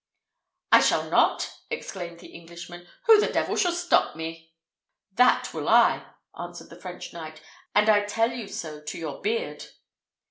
"I shall not!" exclaimed the Englishman. "Who the devil shall stop me?" "That will I," answered the French knight; "and I tell you so to your beard."